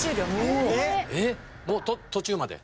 えっもう途中まで？